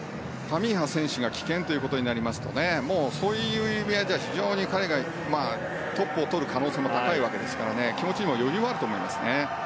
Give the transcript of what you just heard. カミンハ選手が棄権ということになりますともう、そういう意味合いでは非常に彼がトップをとる可能性も高いわけですから気持ちにも余裕があると思います。